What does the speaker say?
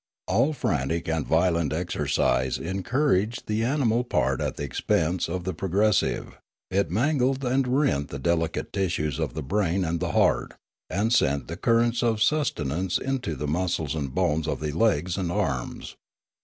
All frantic and violent ex ercise encouraged the animal part at the expense of the progressive: it mangled and rent the delicate tissues of the brain and heart, and sent the currents of suste nance into the muscles and bones of the legs and arms.